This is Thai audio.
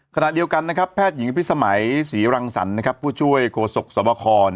ขณะเดียวกันนะครับแพทย์หญิงอภิษมัยศรีรังสรรค์ผู้ช่วยโฆษกสวบค